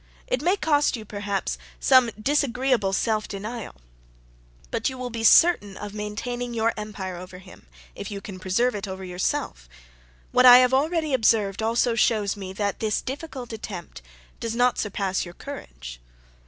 It may cost you, perhaps, some disagreeable self denial; but you will be certain of maintaining your empire over him, if you can preserve it over yourself; what I have already observed, also shows me, that this difficult attempt does not surpass your courage.